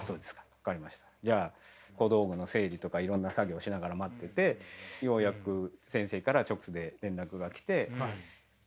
じゃあ小道具の整理とかいろんな作業しながら待っててようやく先生から直で連絡が来て。